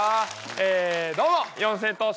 えどうも四千頭身です。